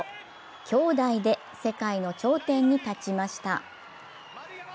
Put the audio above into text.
きょうだいで世界の頂点に立ちました。